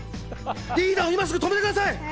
リーダーを今すぐ止めてください！